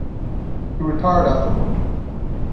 He retired afterward.